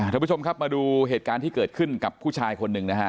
ท่านผู้ชมครับมาดูเหตุการณ์ที่เกิดขึ้นกับผู้ชายคนหนึ่งนะฮะ